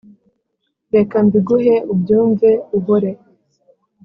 reka mbiguhe ubyumve uhore